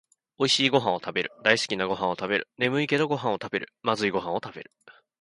おいしいごはんをたべる、だいすきなごはんをたべる、ねむいけどごはんをたべる、まずいごはんをたべる